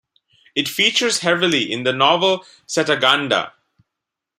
It features heavily in the novel "Cetaganda".